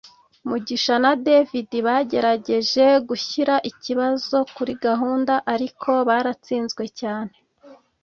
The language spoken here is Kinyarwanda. Mugisha na David bagerageje gushyira ikibazo kuri gahunda ariko baratsinzwe cyane